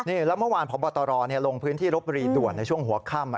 แล้วเมื่อวานพระบัตรรอลงพื้นที่ลบบุรีด่วนในช่วงหัวค่ำ